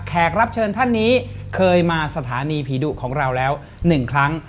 รับเชิญท่านนี้เคยมาสถานีผีดุของเราแล้ว๑ครั้ง